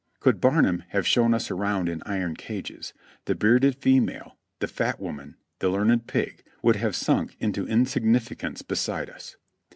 Could Barnum have shown us around in iron cages, the bearded female, the fat woman, the learned pig would have sunk into insignificance beside us.